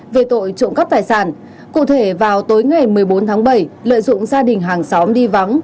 về tội trộm cắp tài sản cụ thể vào tối ngày một mươi bốn tháng bảy lợi dụng gia đình hàng xóm đi vắng